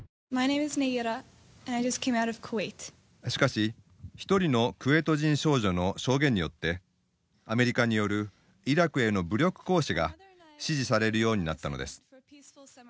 しかし一人のクウェート人少女の証言によってアメリカによるイラクへの武力行使が支持されるようになったのです。